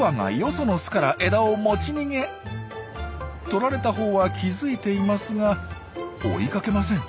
とられたほうは気付いていますが追いかけません。